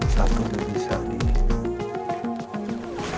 satu dua tiga ini